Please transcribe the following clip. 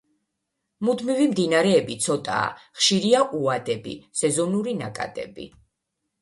მუდმივი მდინარეები ცოტაა, ხშირია უადები, სეზონური ნაკადები.